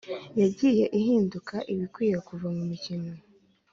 Yagiye ihindura ibikwiye kuva mu mukino